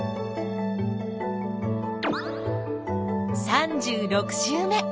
３６週目。